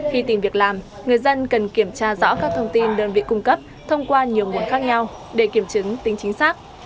khi tìm việc làm người dân cần kiểm tra rõ các thông tin đơn vị cung cấp thông qua nhiều nguồn khác nhau để kiểm chứng tính chính xác